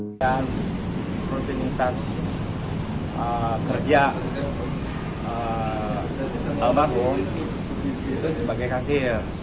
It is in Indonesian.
dan rutinitas kerja albat itu sebagai hasil